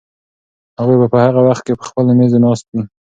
هغوی به په هغه وخت کې په خپلو مېزو ناست وي.